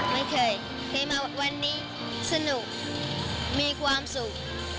ไม่เคยเห็นมาวันนี้สนุกมีความสุข